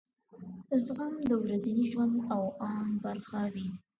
زغم د ورځني ژوند او اند برخه وي.